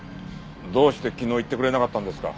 どうして昨日言ってくれなかったんですか？